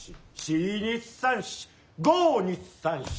５２３４。